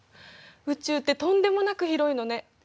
宇宙ってとんでもなく広いのね。